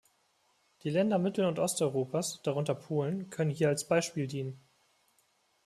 Die Länder Mittel- und Osteuropas, darunter Polen, können hier als Beispiel dienen.